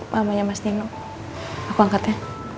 mamanya mas nino aku angkat ya